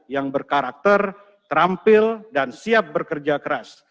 yang berkarakter terampil dan siap bekerja keras